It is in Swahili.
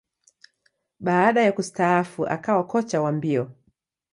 Baada ya kustaafu, akawa kocha wa mbio.